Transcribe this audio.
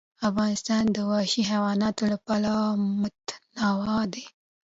افغانستان د وحشي حیواناتو له پلوه متنوع دی.